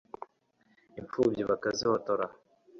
impfubyi bakazihotora